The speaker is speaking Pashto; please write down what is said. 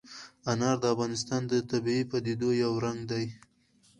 انار د افغانستان د طبیعي پدیدو یو رنګ دی.